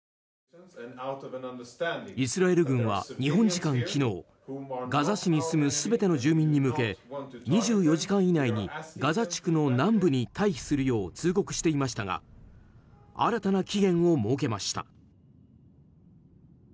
イスラエル軍は日本時間昨日ガザ市に住む全ての住民に向け２４時間以内にガザ地区の南部に退避するよう通告していましたが新たな期限を設けました。